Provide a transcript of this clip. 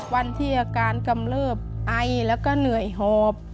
วันที่อาการกำเลิบไอแล้วก็เหนื่อยหอบ